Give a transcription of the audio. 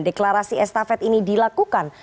deklarasi estafet ini dilakukan